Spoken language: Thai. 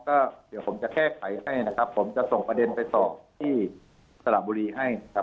ก็เดี๋ยวผมจะแค่ไขให้ผมจะส่งประเด็นไปสอบที่ศลบุรีให้